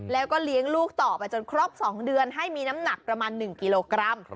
แล้วก็เลี้ยงลูกต่อไปจนครบ๒เดือนให้มีน้ำหนักประมาณ๑กิโลกรัม